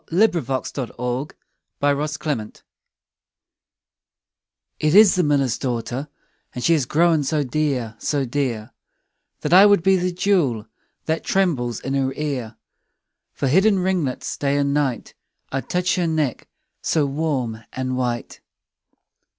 1809–1892 701. The Miller's Daughter IT is the miller's daughter, And she is grown so dear, so dear, That I would be the jewel That trembles in her ear: For hid in ringlets day and night, 5 I'd touch her neck so warm and white.